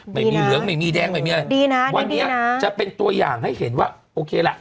เหลืองไม่มีแดงไม่มีอะไรดีนะวันนี้จะเป็นตัวอย่างให้เห็นว่าโอเคล่ะ